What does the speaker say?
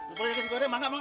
eh kaget bapak